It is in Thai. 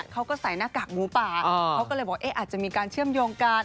เขาก็ใส่หน้ากากหมูป่าเขาก็เลยบอกเอ๊ะอาจจะมีการเชื่อมโยงกัน